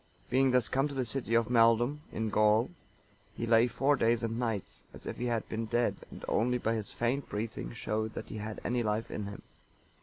Being thus come to the city of Maeldum,(926) in Gaul, he lay four days and nights, as if he had been dead, and only by his faint breathing showed that he had any life in him.